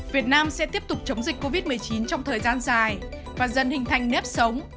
việt nam sẽ tiếp tục chống dịch covid một mươi chín trong thời gian dài và dần hình thành nếp sống